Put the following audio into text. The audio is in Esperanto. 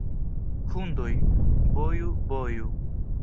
Hundoj, boju, boju!